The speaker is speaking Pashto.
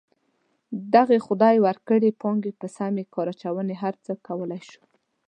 دغې خدای ورکړې پانګې په سمې کار اچونې هر څه کولی شي.